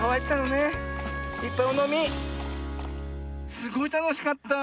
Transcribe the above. すごいたのしかった。